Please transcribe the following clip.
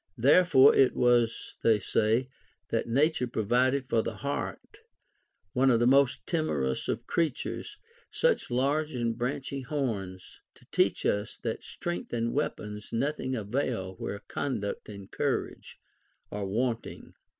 Therefore it was, they say, that J^ature provided for the hart, one of the most timorous of creatures, such large and branchy horns, to teach us that strength and weapons nothing avail where conduct and courage are want ing.